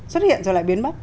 xuất hiện rồi lại biến mất